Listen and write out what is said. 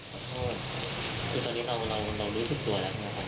ขอโทษคือตอนนี้เรารู้ทุกตัวแล้ว